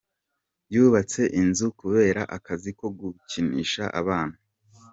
Yubatse inzu kubera akazi ko gukinisha abana.